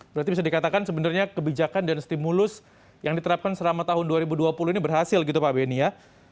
berarti bisa dikatakan sebenarnya kebijakan dan stimulus yang diterapkan selama tahun dua ribu dua puluh ini berhasil gitu pak beni ya